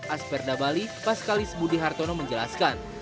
asperda bali paskalis budi hartono menjelaskan